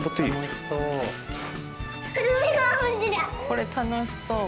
これ楽しそう。